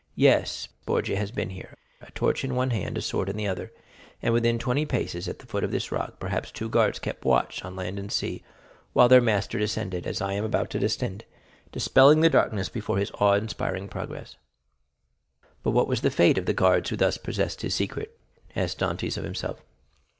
Yes, Borgia has been here, a torch in one hand, a sword in the other, and within twenty paces, at the foot of this rock, perhaps two guards kept watch on land and sea, while their master descended, as I am about to descend, dispelling the darkness before his awe inspiring progress." 0303m "But what was the fate of the guards who thus possessed his secret?" asked Dantès of himself.